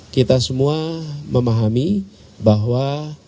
kita semua memahami bahwa